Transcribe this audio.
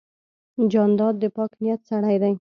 جانداد د پاک نیت سړی دی.